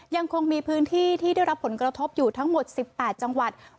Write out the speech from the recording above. ยังคงมีพื้นที่ที่ได้รับผลกระทบอยู่ทั้งหมด๑๘จังหวัด